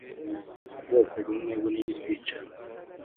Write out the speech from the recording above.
Ubwoko bumwe bunini bwicaye